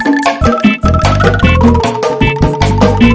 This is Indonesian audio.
buat labi baik sih